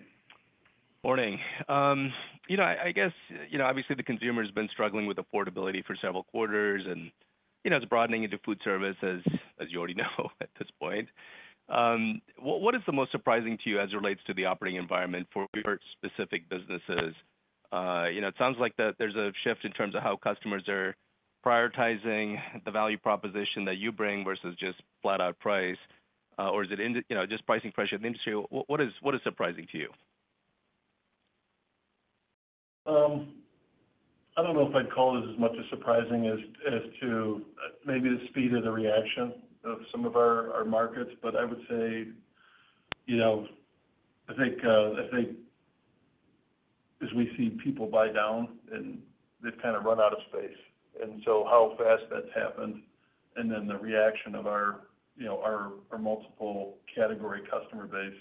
Morning. I guess, obviously, the consumer has been struggling with affordability for several quarters, and it's broadening into food service, as you already know at this point. What is the most surprising to you as it relates to the operating environment for your specific businesses? It sounds like there's a shift in terms of how customers are prioritizing the value proposition that you bring versus just flat-out price, or is it just pricing pressure in the industry? What is surprising to you? I don't know if I'd call it as much as surprising as to maybe the speed of the reaction of some of our markets, but I would say I think as we see people buy down, and they've kind of run out of space. And so how fast that's happened and then the reaction of our multiple category customer base,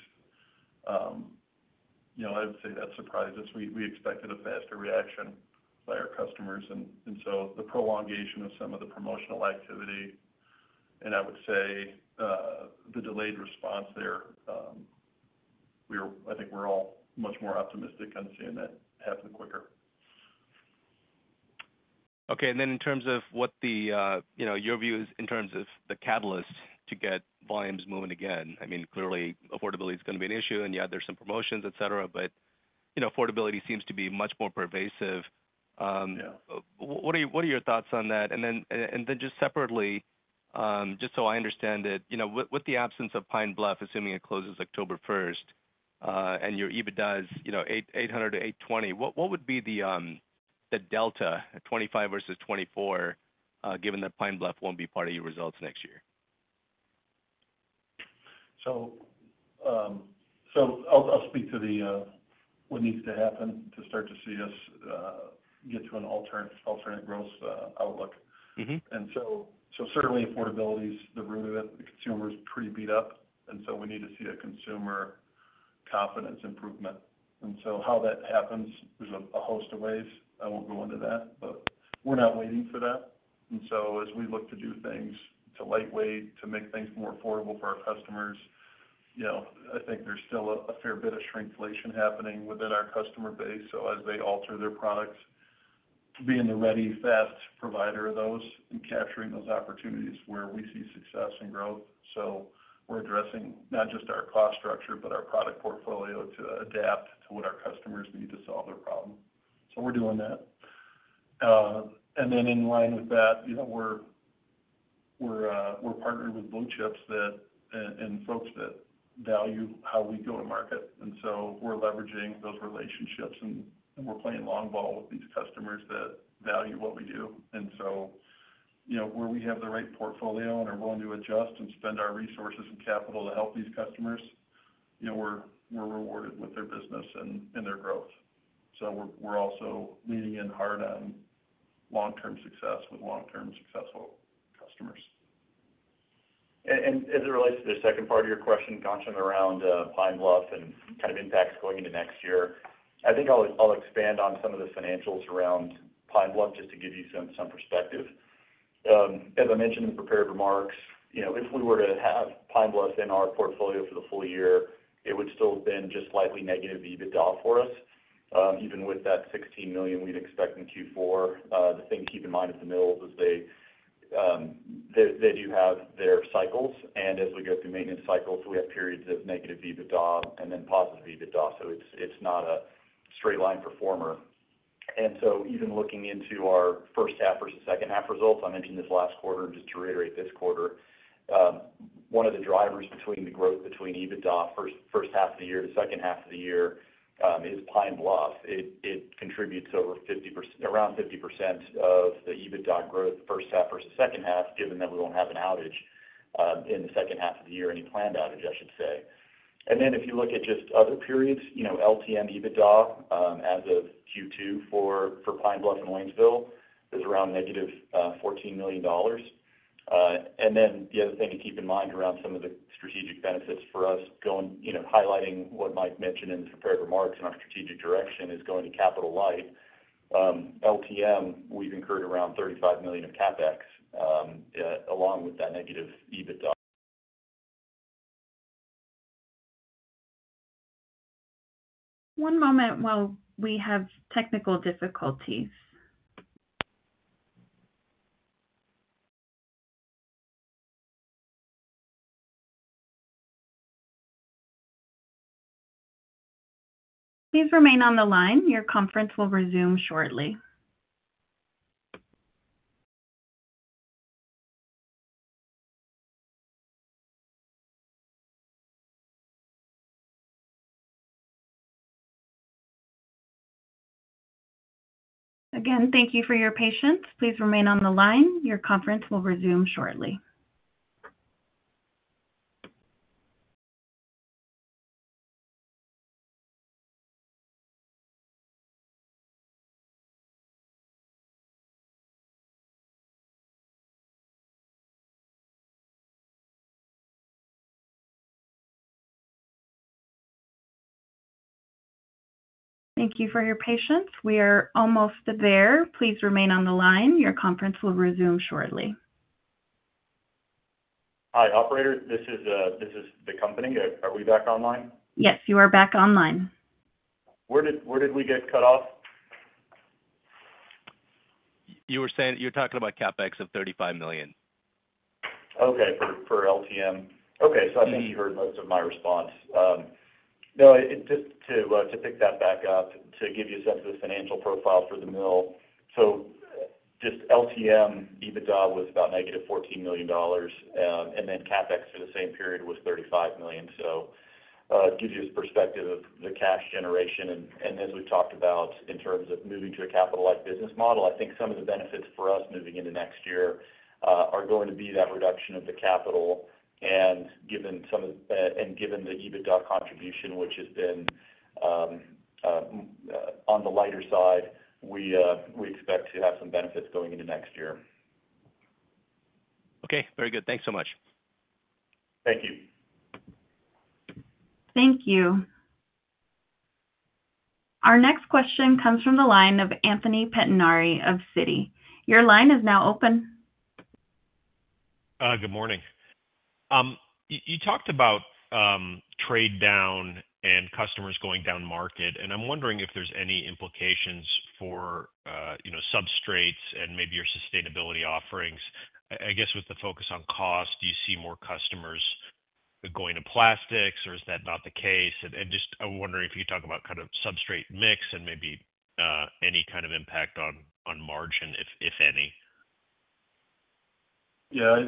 I would say that surprised us. We expected a faster reaction by our customers. So the prolongation of some of the promotional activity, and I would say the delayed response there, I think we're all much more optimistic on seeing that happen quicker. Okay. And then in terms of what your view is in terms of the catalyst to get volumes moving again, I mean, clearly, affordability is going to be an issue, and yeah, there's some promotions, etc., but affordability seems to be much more pervasive. What are your thoughts on that? And then just separately, just so I understand it, with the absence of Pine Bluff, assuming it closes October 1st and your EBITDA is $800-$820, what would be the delta, 2025 versus 2024, given that Pine Bluff won't be part of your results next year? So I'll speak to what needs to happen to start to see us get to an alternate growth outlook. So certainly, affordability is the root of it. The consumer is pretty beat up, and so we need to see a consumer confidence improvement. So how that happens, there's a host of ways. I won't go into that, but we're not waiting for that. So as we look to do things to lightweight, to make things more affordable for our customers, I think there's still a fair bit of shrinkflation happening within our customer base. So as they alter their products, being the ready, fast provider of those and capturing those opportunities where we see success and growth. So we're addressing not just our cost structure, but our product portfolio to adapt to what our customers need to solve their problem. So we're doing that. Then in line with that, we're partnered with blue chips and folks that value how we go to market. And so we're leveraging those relationships, and we're playing long ball with these customers that value what we do. And so where we have the right portfolio and are willing to adjust and spend our resources and capital to help these customers, we're rewarded with their business and their growth. So we're also leaning in hard on long-term success with long-term successful customers. And as it relates to the second part of your question, Ghansham, around Pine Bluff and kind of impacts going into next year, I think I'll expand on some of the financials around Pine Bluff just to give you some perspective. As I mentioned in the prepared remarks, if we were to have Pine Bluff in our portfolio for the full year, it would still have been just slightly negative EBITDA for us. Even with that $16 million we'd expect in Q4, the thing to keep in mind is the mills is they do have their cycles. And as we go through maintenance cycles, we have periods of negative EBITDA and then positive EBITDA. So it's not a straight line performer. And so even looking into our first half versus second-half results, I mentioned this last quarter, and just to reiterate this quarter, one of the drivers between the growth between EBITDA first half of the year to second half of the year is Pine Bluff. It contributes around 50% of the EBITDA growth first half versus second half, given that we won't have an outage in the second half of the year, any planned outage, I should say. And then if you look at just other periods, LTM EBITDA as of Q2 for Pine Bluff and Waynesville is around -$14 million. And then the other thing to keep in mind around some of the strategic benefits for us, highlighting what Mike mentioned in the prepared remarks and our strategic direction, is going to Capital Light. LTM, we've incurred around $35 million of CapEx along with that negative EBITDA. One moment while we have technical difficulties. Please remain on the line. Your conference will resume shortly. Again, thank you for your patience. Please remain on the line. Your conference will resume shortly. Thank you for your patience. We are almost there. Please remain on the line. Your conference will resume shortly. Hi, operator. This is the company. Are we back online? Yes, you are back online. Where did we get cut off? You were talking about CapEx of $35 million. Okay. For LTM. Okay. So I think you heard most of my response. No, just to pick that back up, to give you a sense of the financial profile for the mill, so just LTM EBITDA was about negative $14 million, and then CapEx for the same period was $35 million. So it gives you a perspective of the cash generation. And as we've talked about in terms of moving to a Capital Light business model, I think some of the benefits for us moving into next year are going to be that reduction of the capital. Given the EBITDA contribution, which has been on the lighter side, we expect to have some benefits going into next year. Okay. Very good. Thanks so much. Thank you. Thank you. Our next question comes from the line of Anthony Pettinari of Citi. Your line is now open. Good morning. You talked about trade down and customers going down market, and I'm wondering if there's any implications for substrates and maybe your sustainability offerings. I guess with the focus on cost, do you see more customers going to plastics, or is that not the case? And just I'm wondering if you can talk about kind of substrate mix and maybe any kind of impact on margin, if any. Yeah.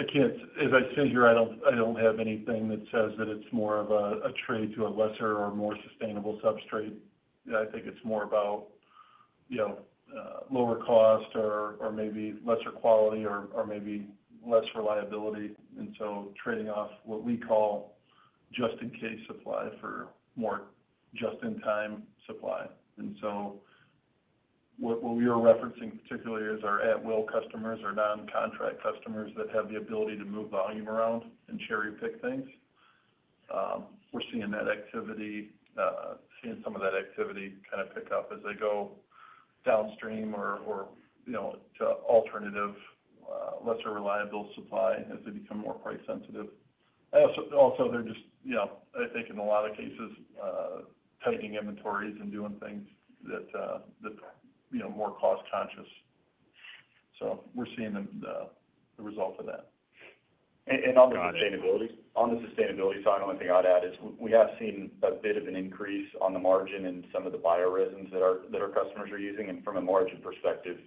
As I sit here, I don't have anything that says that it's more of a trade to a lesser or more sustainable substrate. I think it's more about lower cost or maybe lesser quality or maybe less reliability. Trading off what we call just-in-case supply for more just-in-time supply. What we are referencing particularly is our at-will customers, our non-contract customers that have the ability to move volume around and cherry-pick things. We're seeing that activity, seeing some of that activity kind of pick up as they go downstream or to alternative, lesser reliable supply as they become more price-sensitive. Also, they're just, I think, in a lot of cases, tightening inventories and doing things that are more cost-conscious. We're seeing the result of that. On the sustainability side, the only thing I'd add is we have seen a bit of an increase on the margin in some of the bio-resins that our customers are using. From a margin perspective,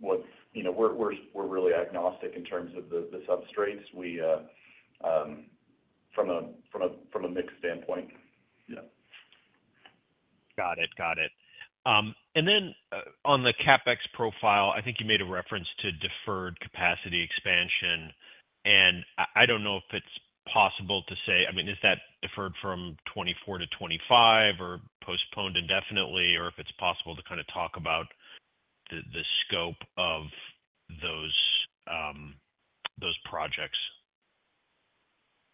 we're really agnostic in terms of the substrates from a mixed standpoint. Yeah. Got it. Got it. And then on the CapEx profile, I think you made a reference to deferred capacity expansion. And I don't know if it's possible to say, I mean, is that deferred from 2024 to 2025 or postponed indefinitely, or if it's possible to kind of talk about the scope of those projects?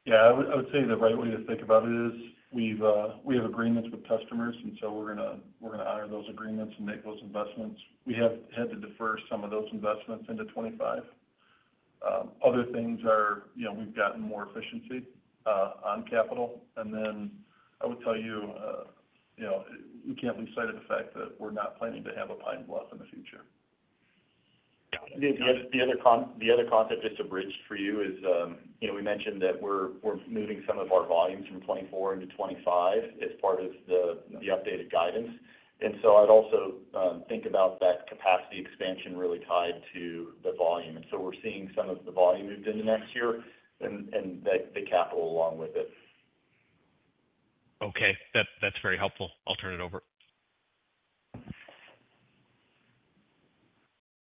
Yeah. I would say the right way to think about it is we have agreements with customers, and so we're going to honor those agreements and make those investments. We have had to defer some of those investments into 2025. Other things are we've gotten more efficiency on capital. And then I would tell you we can't lose sight of the fact that we're not planning to have a Pine Bluff in the future. The other concept just to bridge for you is we mentioned that we're moving some of our volumes from 2024 into 2025 as part of the updated guidance. And so I'd also think about that capacity expansion really tied to the volume. And so we're seeing some of the volume moved into next year and the capital along with it. Okay. That's very helpful. I'll turn it over.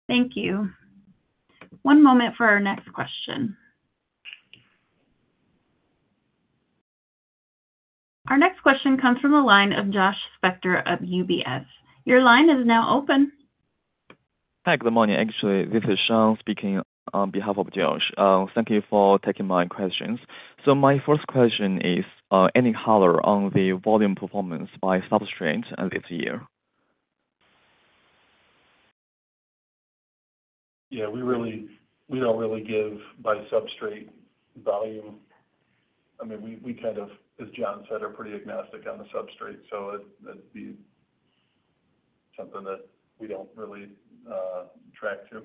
Thank you. One moment for our next question. Our next question comes from the line of Josh Spector of UBS. Your line is now open. Hi, good morning. Actually, this is Sean speaking on behalf of Josh. Thank you for taking my questions. So my first question is any color on the volume performance by substrate this year? Yeah. We don't really give by substrate volume. I mean, we kind of, as Jon said, are pretty agnostic on the substrate. So that'd be something that we don't really track to.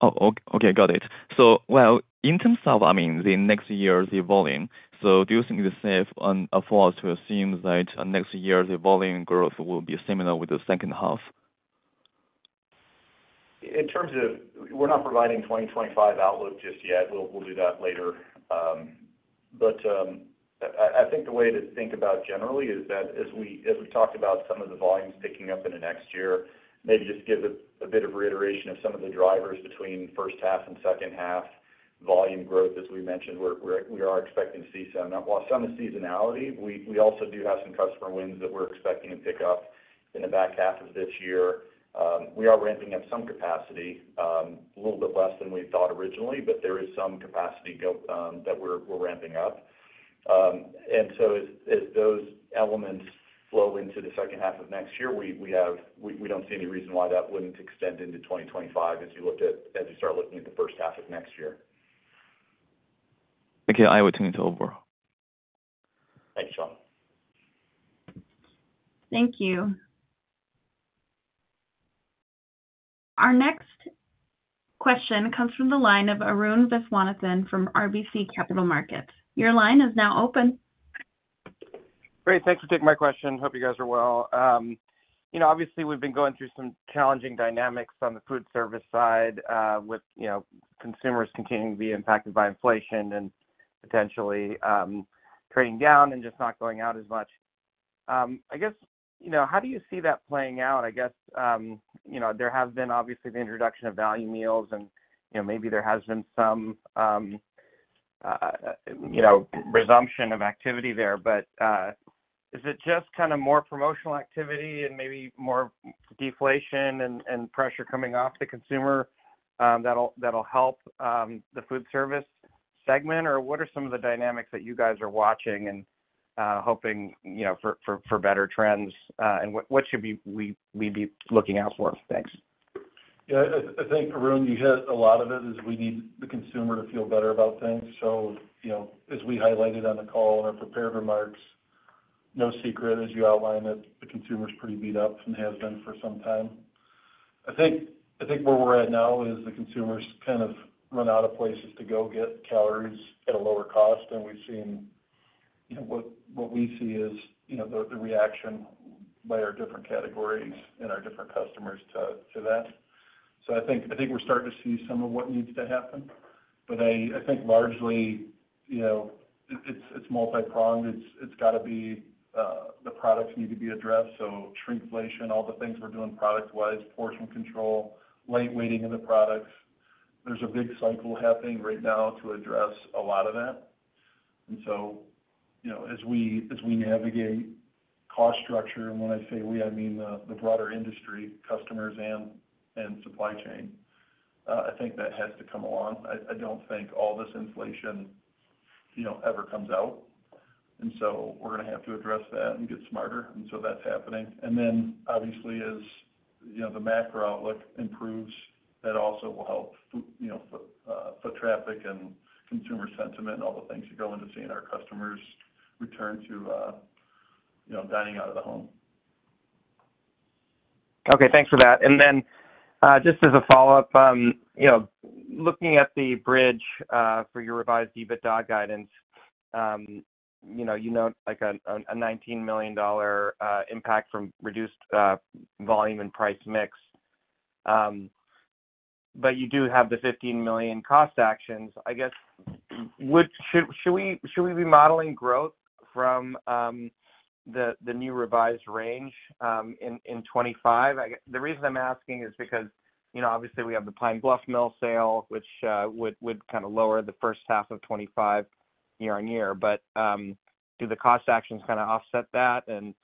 Oh, okay. Got it. So well, in terms of, I mean, the next year's volume, so do you think it's safe and affordable to assume that next year's volume growth will be similar with the second half? In terms of we're not providing 2025 outlook just yet. We'll do that later. But I think the way to think about generally is that as we talked about some of the volumes picking up in the next year, maybe just give a bit of reiteration of some of the drivers between first half and second half volume growth, as we mentioned, we are expecting to see some of the seasonality. We also do have some customer wins that we're expecting to pick up in the back half of this year. We are ramping up some capacity, a little bit less than we thought originally, but there is some capacity that we're ramping up. And so as those elements flow into the second half of next year, we don't see any reason why that wouldn't extend into 2025 as you start looking at the first half of next year. Okay. I will turn it over. Thank you, Sean. Thank you. Our next question comes from the line of Arun Viswanathan from RBC Capital Markets. Your line is now open. Great. Thanks for taking my question. Hope you guys are well. Obviously, we've been going through some challenging dynamics on the food service side with consumers continuing to be impacted by inflation and potentially trading down and just not going out as much. I guess, how do you see that playing out? I guess there has been, obviously, the introduction of value meals, and maybe there has been some resumption of activity there. But is it just kind of more promotional activity and maybe more deflation and pressure coming off the consumer that'll help the food service segment? Or what are some of the dynamics that you guys are watching and hoping for better trends? And what should we be looking out for? Thanks. Yeah. I think, Arun, you hit a lot of it is we need the consumer to feel better about things. So as we highlighted on the call in our prepared remarks, no secret, as you outlined that the consumer's pretty beat up and has been for some time. I think where we're at now is the consumer's kind of run out of places to go get calories at a lower cost. And we've seen what we see is the reaction by our different categories and our different customers to that. So I think we're starting to see some of what needs to happen. But I think largely it's multi-pronged. It's got to be the products need to be addressed. So shrinkflation, all the things we're doing product-wise, portion control, light weighting of the products. There's a big cycle happening right now to address a lot of that. And so as we navigate cost structure, and when I say we, I mean the broader industry customers and supply chain, I think that has to come along. I don't think all this inflation ever comes out. And so we're going to have to address that and get smarter. And so that's happening. And then, obviously, as the macro outlook improves, that also will help foot traffic and consumer sentiment and all the things you're going to see in our customers return to dining out of the home. Okay. Thanks for that. And then just as a follow-up, looking at the bridge for your revised EBITDA guidance, you note a $19 million impact from reduced volume and price mix. But you do have the $15 million cost actions. I guess, should we be modeling growth from the new revised range in 2025? The reason I'm asking is because, obviously, we have the Pine Bluff mill sale, which would kind of lower the first half of 2025 year-over-year. But do the cost actions kind of offset that? And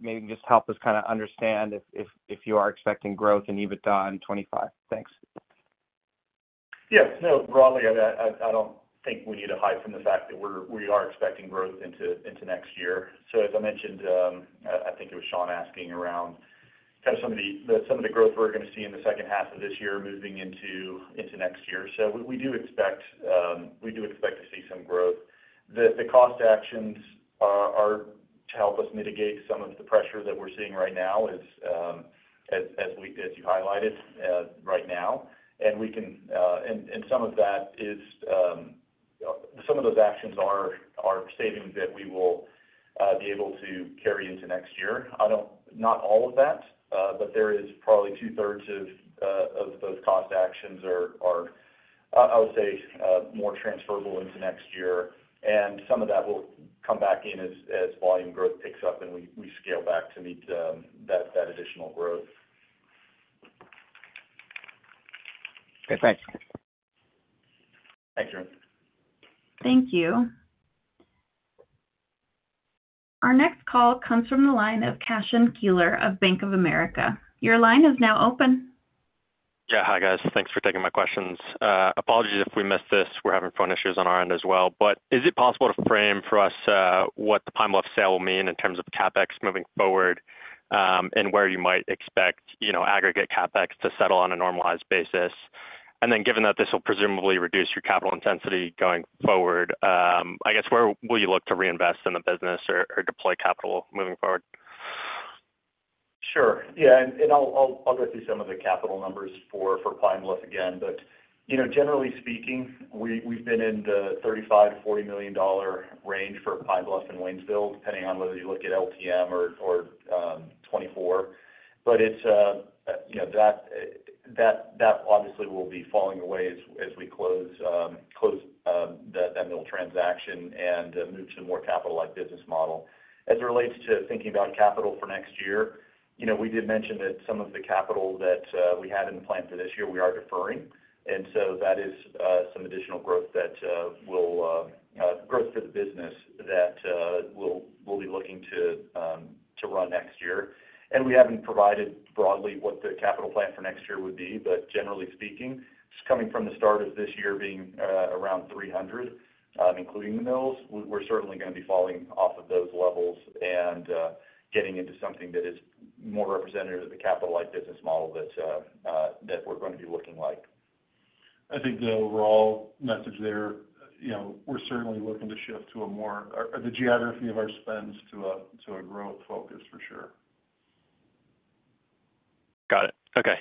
maybe just help us kind of understand if you are expecting growth in EBITDA in 2025. Thanks. Yeah. No, broadly, I don't think we need to heighten the fact that we are expecting growth into next year. So, as I mentioned, I think it was Sean asking around kind of some of the growth we're going to see in the second half of this year moving into next year. So we do expect to see some growth. The cost actions are to help us mitigate some of the pressure that we're seeing right now, as you highlighted, right now. And some of that is some of those actions are savings that we will be able to carry into next year. Not all of that, but there is probably two-thirds of those cost actions are, I would say, more transferable into next year. And some of that will come back in as volume growth picks up and we scale back to meet that additional growth. Okay. Thanks. Thanks, Arun. Thank you. Our next call comes from the line of Cashen Keeler of Bank of America. Your line is now open. Yeah. Hi, guys. Thanks for taking my questions. Apologies if we missed this. We're having phone issues on our end as well. But is it possible to frame for us what the Pine Bluff sale will mean in terms of CapEx moving forward and where you might expect aggregate CapEx to settle on a normalized basis? And then given that this will presumably reduce your capital intensity going forward, I guess, where will you look to reinvest in the business or deploy capital moving forward? Sure. Yeah. And I'll go through some of the capital numbers for Pine Bluff again. But generally speaking, we've been in the $35–US$40 million range for Pine Bluff and Waynesville, depending on whether you look at LTM or 2024. But that obviously will be falling away as we close that mill transaction and move to a more Capital-Light business model. As it relates to thinking about capital for next year, we did mention that some of the capital that we had in the plan for this year, we are deferring. And so that is some additional growth that will growth for the business that we'll be looking to run next year. And we haven't provided broadly what the capital plan for next year would be. But generally speaking, just coming from the start of this year being around $300 million, including the mills, we're certainly going to be falling off of those levels and getting into something that is more representative of the capital-like business model that we're going to be looking like. I think the overall message there, we're certainly looking to shift to a more the geography of our spends to a growth focus, for sure. Got it. Okay.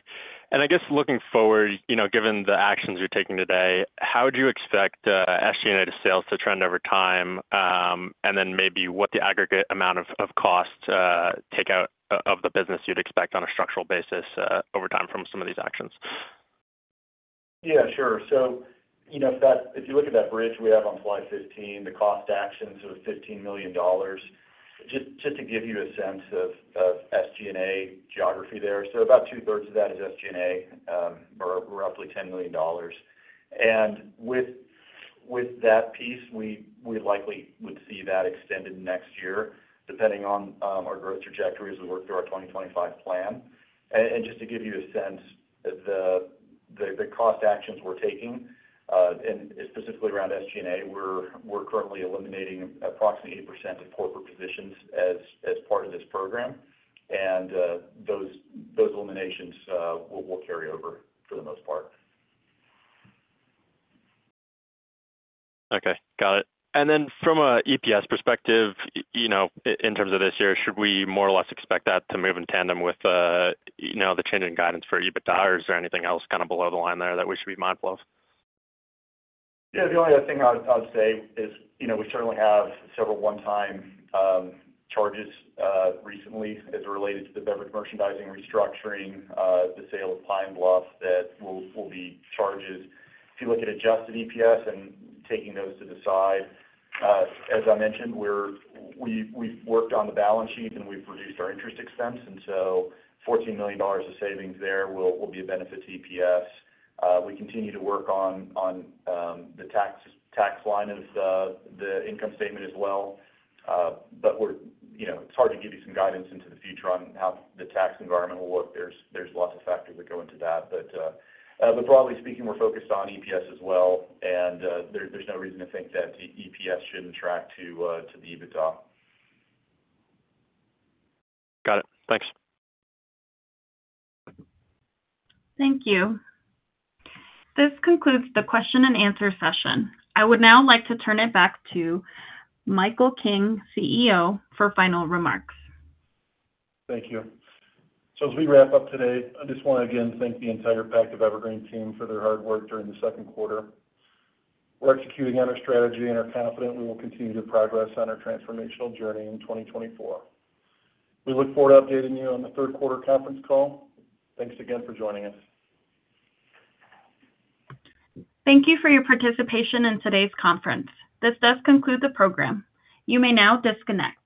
And I guess looking forward, given the actions you're taking today, how would you expect SG&A to sales to trend over time? And then maybe what the aggregate amount of cost takeout of the business you'd expect on a structural basis over time from some of these actions? Yeah. Sure. So if you look at that bridge we have on slide 15, the cost actions of $15 million, just to give you a sense of SG&A geography there. So about two-thirds of that is SG&A or roughly $10 million. And with that piece, we likely would see that extended next year, depending on our growth trajectory as we work through our 2025 plan. And just to give you a sense, the cost actions we're taking, and specifically around SG&A, we're currently eliminating approximately 8% of corporate positions as part of this program. And those eliminations will carry over for the most part. Okay. Got it. And then from an EPS perspective, in terms of this year, should we more or less expect that to move in tandem with the changing guidance for EBITDA? Is there anything else kind of below the line there that we should be mindful of? Yeah. The only other thing I'd say is we certainly have several one-time charges recently as it related to the beverage merchandising restructuring, the sale of Pine Bluff that will be charges. If you look at Adjusted EPS and taking those to the side, as I mentioned, we've worked on the balance sheet and we've reduced our interest expense. So $14 million of savings there will be a benefit to EPS. We continue to work on the tax line of the income statement as well. It's hard to give you some guidance into the future on how the tax environment will look. There's lots of factors that go into that. Broadly speaking, we're focused on EPS as well. There's no reason to think that EPS shouldn't track to the EBITDA. Got it. Thanks. Thank you. This concludes the question and answer session. I would now like to turn it back to Michael King, CEO, for final remarks. Thank you. As we wrap up today, I just want to again thank the entire Pactiv Evergreen team for their hard work during the second quarter. We're executing on our strategy and are confident we will continue to progress on our transformational journey in 2024. We look forward to updating you on the third-quarter conference call. Thanks again for joining us. Thank you for your participation in today's conference. This does conclude the program. You may now disconnect.